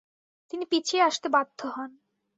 তিনি পিছিয়ে আসতে বাধ্য হন।